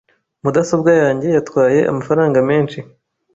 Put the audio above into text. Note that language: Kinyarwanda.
Mudasobwa yanjye yatwaye amafaranga menshi .